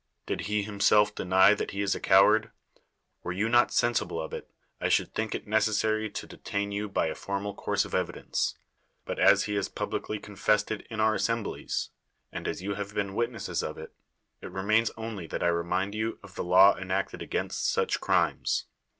Did he himself deny that he is a coward? Were you not sensible of it, I should think it necessary to detain you by a formal course of evidence; but as he has publicly confessed it in our assemblies, and as you have been witnesses of it, it remains only that I remind you of the law enacted against such crimes.